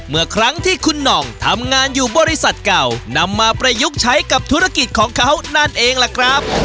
เมื่อครั้งที่คุณหน่องทำงานอยู่บริษัทเก่านำมาประยุกต์ใช้กับธุรกิจของเขานั่นเองล่ะครับ